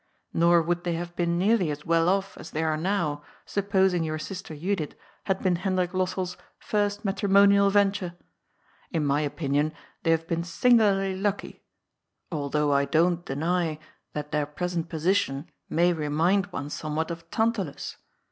Kor would they have been nearly as well off as they are now, supposing your sister Judith had been Hendrik Lossell's ^t matrimonial venture. In my opinion they have been singularly lucky, although I don't deny that their present position may re mind one somewhat of Tantalus.